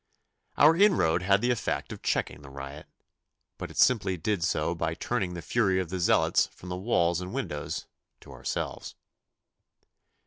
Our inroad had the effect of checking the riot, but it simply did so by turning the fury of the zealots from the walls and windows to ourselves.